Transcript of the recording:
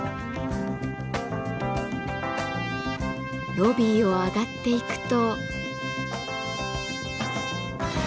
ロビーを上がっていくと。